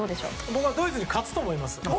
僕はドイツに勝つと思います。